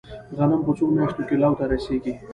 غنم په څو میاشتو کې لو ته رسیږي؟